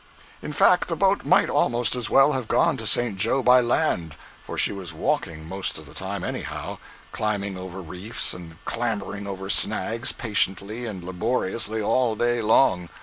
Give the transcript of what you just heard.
In fact, the boat might almost as well have gone to St. Jo. by land, for she was walking most of the time, anyhow—climbing over reefs and clambering over snags patiently and laboriously all day long.